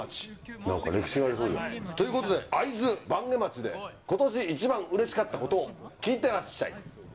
なんか歴史がありそうで。ということで、会津坂下町でことし一番うれしかったことを聞いてらっしゃい。